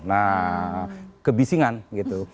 nah kebisingan gitu